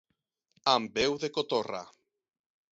Amb veu de cotorra.